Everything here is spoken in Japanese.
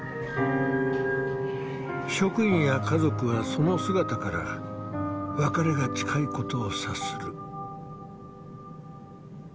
職員や家族はその姿から別れが近いことを察する。